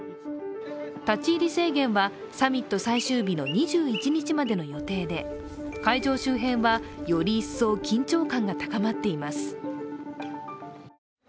立ち入り制限はサミット最終日の２１日までの予定で会場周辺はより一層緊張感が高まっています。